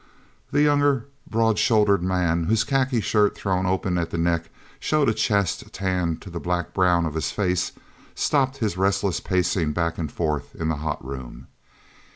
The younger, broad shouldered man, whose khaki shirt, thrown open at the neck showed a chest tanned to the black brown of his face, stopped his restless pacing back and forth in the hot room.